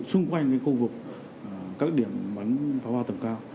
xung quanh khu vực các điểm bắn pháo hoa tầm cao